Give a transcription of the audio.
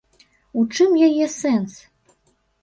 У чым яе сэнс?